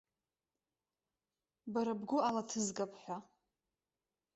Бара бгәы алаҭызгап ҳәа.